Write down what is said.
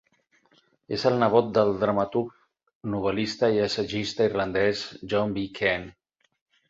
És el nebot del dramaturg, novel·lista i assagista irlandès John B. Keane.